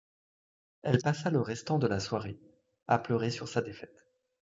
Elle passa le restant de la soirée à pleurer sur sa défaite.